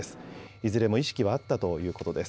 いずれも意識はあったということです。